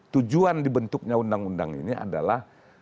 tujuan dibentuknya undang undang ini adalah